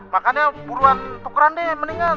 makanya buruan ukuran deh mendingan